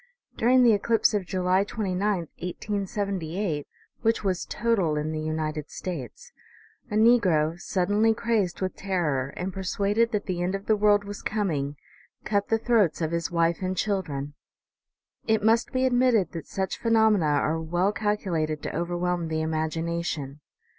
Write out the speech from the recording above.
During the eclipse of July 29, 1878, which was total in the United States, a negro, suddenly crazed with terror, and persuaded that the end of the world was com ing, cut the throats of his wife and children. It must be admitted that such phenomena are well cal culated to overwhelm the imagination.